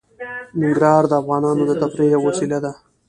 ننګرهار د افغانانو د تفریح یوه وسیله ده.